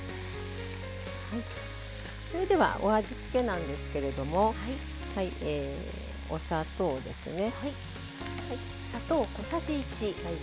それではお味付けなんですけれどもお砂糖ですね。